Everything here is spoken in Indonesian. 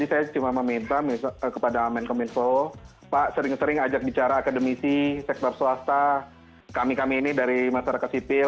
saya cuma meminta kepada menkominfo pak sering sering ajak bicara akademisi sektor swasta kami kami ini dari masyarakat sipil